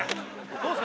どうですか？